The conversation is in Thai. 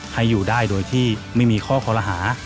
ให้อยู่ได้โดยที่ไม่มีข้อคอรหา